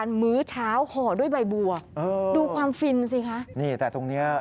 ลืมอันข่าวไปเลย